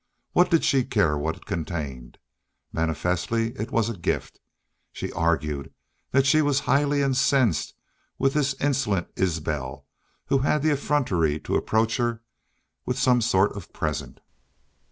What did she care what it contained? Manifestly it was a gift. She argued that she was highly incensed with this insolent Isbel who had the effrontery to approach her with some sort of present.